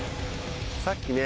さっきね